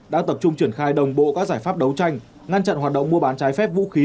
đã tập trung triển khai đồng bộ các giải pháp đấu tranh ngăn chặn hoạt động mua bán trái phép vũ khí